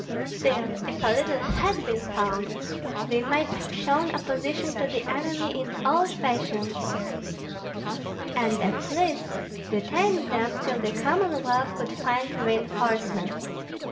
Still, if a leader had been found, they might have shown opposition to the enemy in old fashion, and at least detained them till the Commonwealth could find reinforcements.